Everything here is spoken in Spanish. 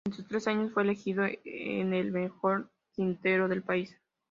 En sus tres años fue elegido en el mejor quinteto del país.